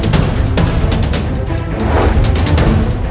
tidak sini tenang tenang